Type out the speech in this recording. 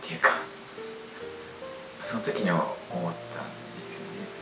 その時に思ったんですよね。